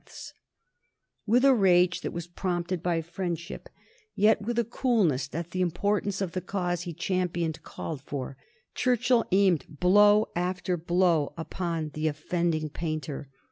[Sidenote: 1763 Churchill's denunciation of Hogarth] With a rage that was prompted by friendship, yet with a coolness that the importance of the cause he championed called for, Churchill aimed blow after blow upon the offending painter.